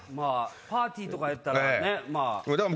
パーティーとかやったらね。